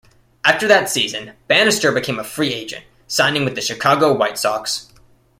After that season, Bannister became a free agent, signing with the Chicago White Sox.